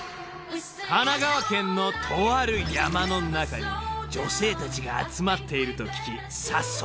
［神奈川県のとある山の中に女性たちが集まっていると聞き早速調査へ］